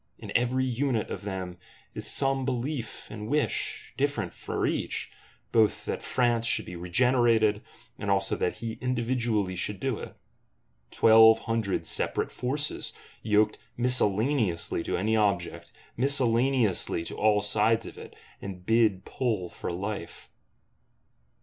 In every unit of them is some belief and wish, different for each, both that France should be regenerated, and also that he individually should do it. Twelve Hundred separate Forces, yoked miscellaneously to any object, miscellaneously to all sides of it; and bid pull for life!